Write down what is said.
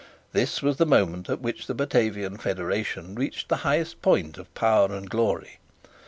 This was the moment at which the Batavian federation reached the highest point of power and glory.